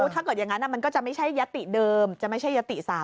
ถ้าเกิดอย่างนั้นมันก็จะไม่ใช่ยติเดิมจะไม่ใช่ยติ๓